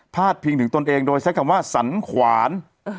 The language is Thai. ดพิงถึงตนเองโดยใช้คำว่าสันขวาน